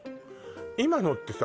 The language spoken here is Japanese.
今のってさ